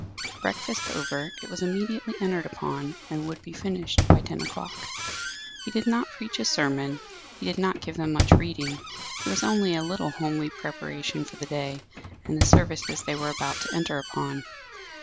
Breakfast over, it was immediately entered upon, and would be finished by ten o'clock. He did not preach a sermon; he did not give them much reading; it was only a little homely preparation for the day and the services they were about to enter upon.